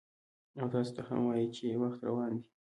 او تاسو ته هم وایم چې وخت روان دی،